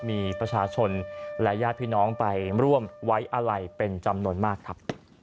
มีประชาชนและญาติพี่น้องไปร่วมไว้อะไรเป็นจำนวนมากครับ